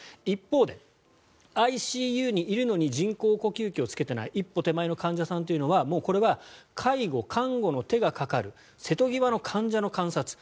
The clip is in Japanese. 一方でＩＣＵにいるのに人工呼吸器をつけていない一歩手前の患者さんというのはこれは介護・看護の手がかかる瀬戸際の患者の観察。